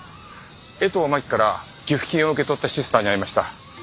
江藤真紀から寄付金を受け取ったシスターに会いました。